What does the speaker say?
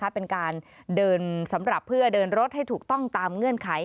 เป็นการเดินสำหรับเพื่อเดินรถให้ถูกต้องตามเงื่อนไข